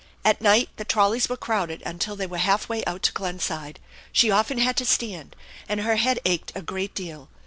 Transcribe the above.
At night the trolleys were crowded until they were half way out to Glen side. She often had to stand, and her head ached a great deal.